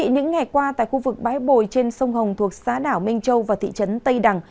những ngày qua tại khu vực bãi bồi trên sông hồng thuộc xã đảo minh châu và thị trấn tây đẳng